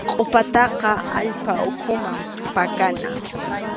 Qʼupataqa allpa ukhuman pakana.